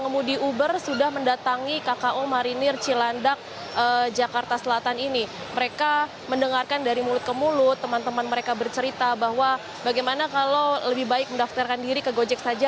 mereka menjelaskan dari mulut ke mulut teman teman mereka bercerita bahwa bagaimana kalau lebih baik mendaftarkan diri ke gojek saja